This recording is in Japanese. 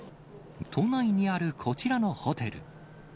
都内にあるこちらのホテル。